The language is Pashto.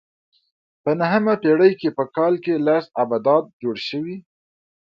په نهمه پېړۍ کې په کال کې لس ابدات جوړ شوي.